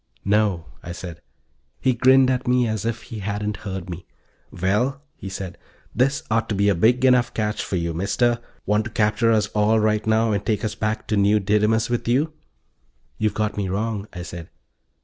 "No," I said. He grinned at me as if he hadn't heard me. "Well," he said, "this ought to be a big enough batch for you, Mister. Want to capture us all right now and take us back to New Didymus with you?" "You've got me wrong," I said.